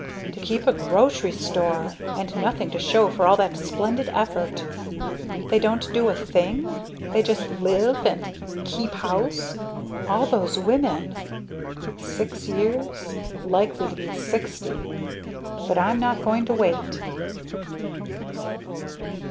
"To keep a grocery store!!!!! "And nothing to show for all that splendid effort!" "They don't do a thing? They just live and 'keep house!' All those women! "Six years? Likely to be sixty! But I'm not going to wait!"